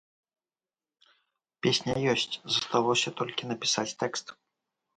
Песня ёсць, засталося толькі напісаць тэкст.